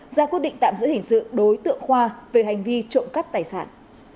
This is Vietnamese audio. ra quyết định tạm giữ hình sự đối tượng khoa về hành vi trộm cắp tài sản